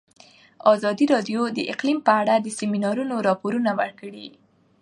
ازادي راډیو د اقلیم په اړه د سیمینارونو راپورونه ورکړي.